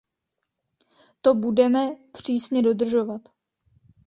To budeme přísně dodržovat.